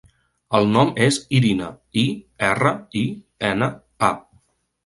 El nom és Irina: i, erra, i, ena, a.